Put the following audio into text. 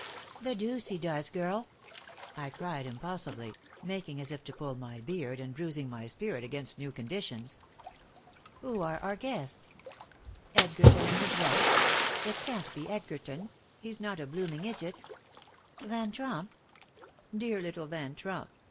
"The deuce he does, girl!" I cried, impulsively, making as if to pull my beard, and bruising my spirit against new conditions. "Who are our guests? Edgerton and his wife. It can't be Edgerton. He's not a blooming idjit. Van Tromp? Dear little Van Tromp!